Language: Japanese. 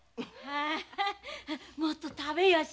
ハハもっと食べよし。